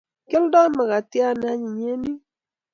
Kialdoi makatiat ne anyiny eng yun